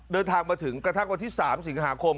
เดินทางมาถึงกระทั่งวันที่๓สิงหาคม